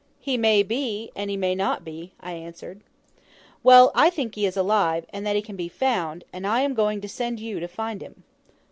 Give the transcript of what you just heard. "He may be, and he may not be," I answered. "Well, I think he is alive, and that he can be found, and I am going to send you to find him."